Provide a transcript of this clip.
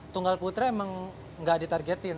tunggal putra emang nggak ditargetin